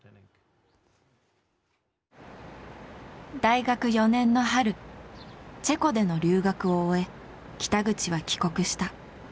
大学４年の春チェコでの留学を終え北口は帰国した。